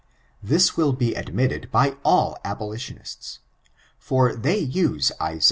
This will be admitted by all abolitionists: for they use Isa.